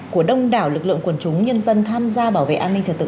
của đông đảo lực lượng quần chúng nhân dân tham gia bảo vệ an ninh trật tự